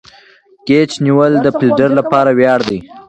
کېچ نیول د فیلډر له پاره ویاړ دئ.